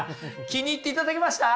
気に入っていただけました？